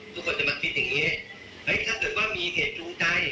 ทุกคนจะมาคิดอย่างนี้ถ้าเกิดว่ามีเหตุจูงใจ